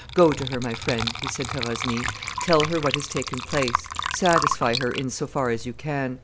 Go to her, my friend," he said to Rosny; "tell her what has taken place; satisfy her in so far as you can.